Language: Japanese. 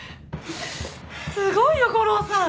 すごいよ悟郎さん！